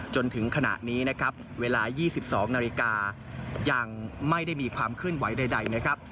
จนถึงขณะนี้นะครับเวลา๒๒นาฬิกายังไม่ได้มีความเคลื่อนไหวใดนะครับ